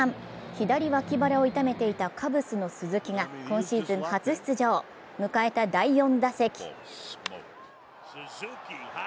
左脇腹を痛めていたカブスの鈴木が今シーズン初出場、迎えた第４打席。